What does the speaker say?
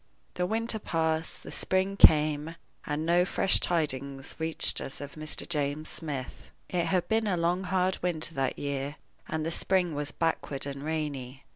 The winter passed, the spring came, and no fresh tidings reached us of Mr. James Smith. It had been a long, hard winter that year, and the spring was backward and rainy.